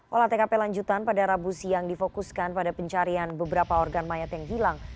olah tkp lanjutan pada rabu siang difokuskan pada pencarian beberapa organ mayat yang hilang